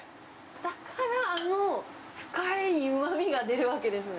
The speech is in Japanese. だからあの深いうまみが出るわけですね。